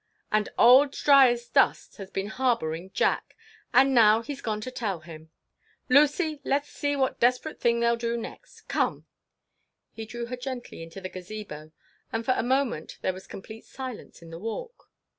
"And old Dryasdust has been harbouring Jack! And now he 's gone to tell him!—Lucy, let's see what desperate thing they 'll do next. Come!" He drew her gently into the Gazebo, and for a moment there was complete silence in the Walk.